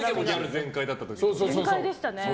全開でしたね。